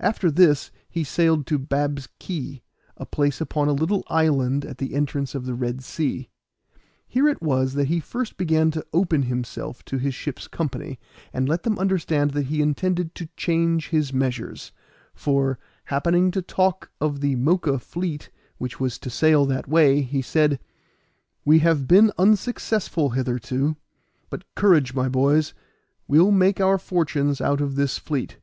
After this he sailed to Bab's Key, a place upon a little island at the entrance of the Red Sea. Here it was that he first began to open himself to his ship's company, and let them understand that he intended to change his measures; for, happening to talk of the Moca fleet which was to sail that way, he said, "We have been unsuccessful hitherto; but courage, my boys, we'll make our fortunes out of this fleet."